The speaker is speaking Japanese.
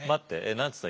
何つった？